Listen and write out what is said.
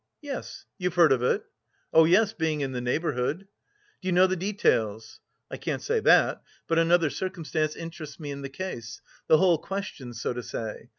"Yes. You've heard of it?" "Oh, yes, being in the neighbourhood." "Do you know the details?" "I can't say that; but another circumstance interests me in the case the whole question, so to say.